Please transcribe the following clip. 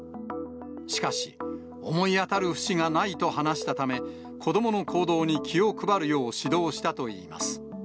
しかし、思い当たる節がないと話したため、子どもの行動に気を配るよう指導したといいます。